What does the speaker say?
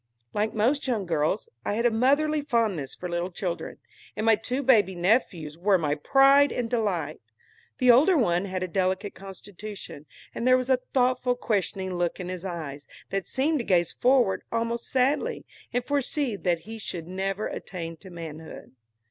Like most young girls, I had a motherly fondness for little children, and my two baby nephews were my pride and delight. The older one had a delicate constitution, and there was a thoughtful, questioning look in his eyes, that seemed to gaze forward almost sadly, and foresee that he should never attain to manhood.